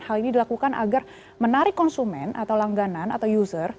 hal ini dilakukan agar menarik konsumen atau langganan atau user